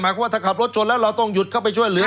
ว่าถ้าขับรถชนแล้วเราต้องหยุดเข้าไปช่วยเหลือ